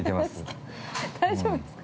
◆大丈夫ですか？